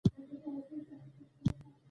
ته مي خوښ یې